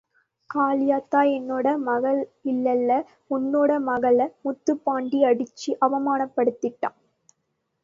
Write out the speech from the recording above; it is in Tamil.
காளியாத்தா... என்னோட மகள இல்லல்ல... ஒன்னோட மகள முத்துப்பாண்டி அடிச்சு அவமானப்படுத்திட்டான்.